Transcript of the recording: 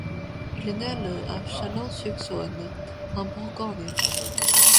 Il naît le à Chalon-sur-Saône, en Bourgogne.